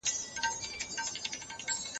د سرطان ناروغي وختي تشخیص غواړي.